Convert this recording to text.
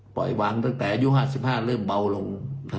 ปล่อยวางตั้งแต่อายุ๕๕เริ่มเบาลง